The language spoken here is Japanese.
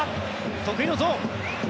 得意のゾーン。